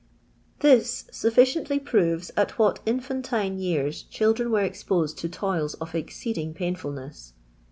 This suflicieiuly proves at what infantine years children were exposed to toils of exceeding pain ! fulness.